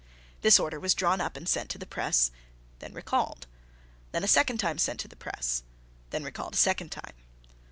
This order was drawn up and sent to the press, then recalled, then a second time sent to the press, then recalled a second time.